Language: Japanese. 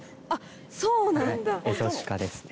そうなんだ。